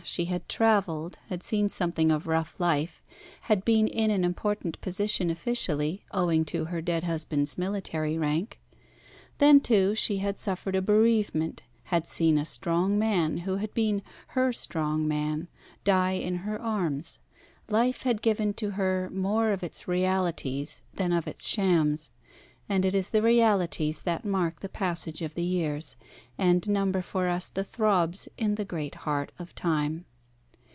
She had travelled, had seen something of rough life, had been in an important position officially owing to her dead husband's military rank. Then, too, she had suffered a bereavement, had seen a strong man, who had been her strong man, die in her arms. Life had given to her more of its realities than of its shams; and it is the realities that mark the passage of the years, and number for us the throbs in the great heart of time.